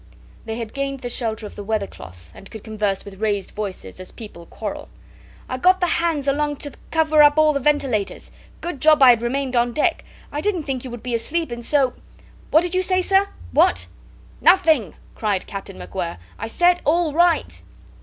They had gained the shelter of the weather cloth, and could converse with raised voices, as people quarrel. "I got the hands along to cover up all the ventilators. Good job I had remained on deck. I didn't think you would be asleep, and so ... What did you say, sir? What?" "Nothing," cried Captain MacWhirr. "I said all right."